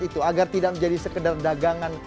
itu agar tidak menjadi sekedar dagangan